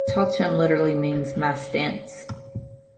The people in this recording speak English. Talchum literally means mask-dance.